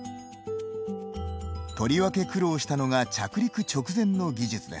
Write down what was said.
とりわけ苦労したのが着陸直前の技術です。